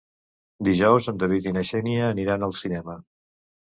Dijous en David i na Xènia aniran al cinema.